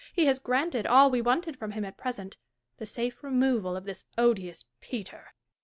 He has granted all we wanted from him at present — the safe removal of this odious Peter.